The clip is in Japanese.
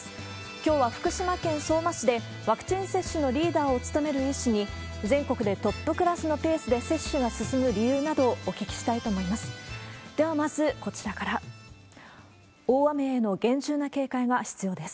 きょうは福島県相馬市でワクチン接種のリーダーを務める医師に、全国でトップクラスのペースで接種が進む理由などをお聞きしたいと思います。